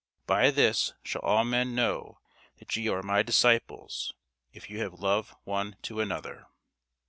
By this shall all men know that ye are my disciples, if ye have love one to another.